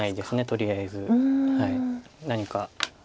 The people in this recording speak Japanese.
とりあえず。何か。